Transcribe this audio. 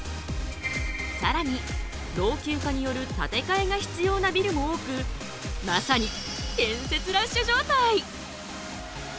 さらに老朽化による建てかえが必要なビルも多くまさに建設ラッシュ状態！